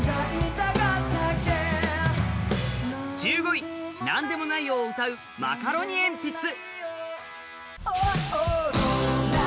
１５位「なんでもないよ、」を歌うマカロニえんぴつ。